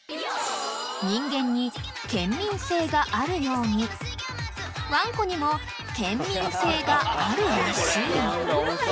［人間に県民性があるようにワンコにも犬民性があるらしい］